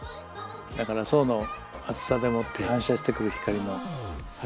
だから層の厚さでもって反射してくる光の波長が違ってくる。